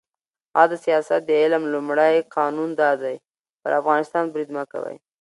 «عد سیاست د علم لومړی قانون دا دی: پر افغانستان برید مه کوه.